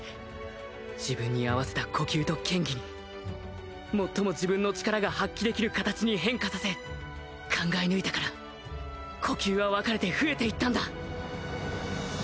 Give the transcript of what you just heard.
自分に合わせた呼吸と剣技に最も自分の力が発揮できる形に変化させ考え抜いたから呼吸は分かれて増えていったんだ